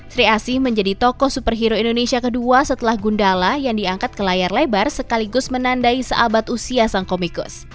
sri asih menjadi tokoh superhero indonesia kedua setelah gundala yang diangkat ke layar lebar sekaligus menandai seabad usia sang komikus